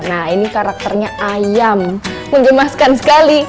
nah ini karakternya ayam mengemaskan sekali